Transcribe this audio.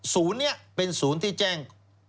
ศูนย์นี้เป็นศูนย์ที่แจ้ง